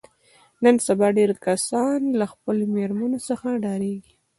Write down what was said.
نن سبا ډېری کسان له خپلو مېرمنو څخه ډارېږي.